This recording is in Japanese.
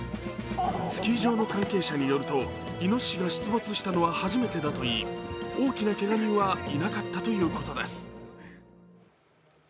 スキー場の関係者によるといのししが出没したのは初めてだといい大きなけが人はいなかったということです。